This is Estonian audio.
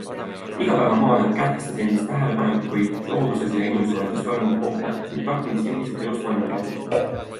Igapäevamaagia kätkes endas tähelepanekuid looduses ja inimsuhetes toimuva kohta ning praktilisi juhiseid elus toimetulekuks.